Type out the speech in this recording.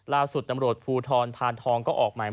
ล่าสุดตำรวจภูทรพานทองก็ออกหมาย